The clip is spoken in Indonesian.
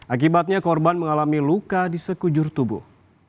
akibatnya korban mengalami luka di sekujur tubuh